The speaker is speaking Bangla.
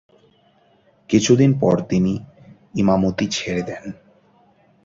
কিছুদিন পর তিনি ইমামতি ছেড়ে দেন।